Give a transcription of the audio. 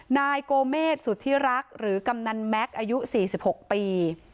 นายโกเมษสุธิรักษ์หรือกำนันแม็กซ์อายุ๔๖ปี